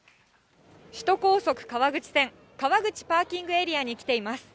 首都高速川口線、川口パーキングエリアに来ています。